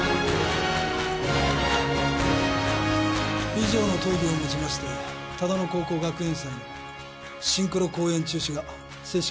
以上の討議をもちまして唯野高校学園祭のシンクロ公演中止が正式に決定をいたしました。